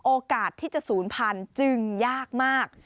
โอกาสที่จะศูนย์พันธุ์จึงยากมาก